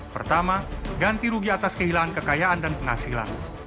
pertama ganti rugi atas kehilangan kekayaan dan penghasilan